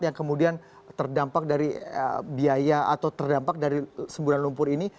yang kemudian terdampak dari biaya atau terdampak dari semburan lumpur ini